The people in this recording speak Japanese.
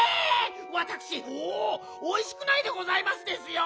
わたくしおおいしくないでございますですよ！